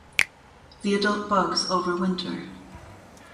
The adult bugs overwinter.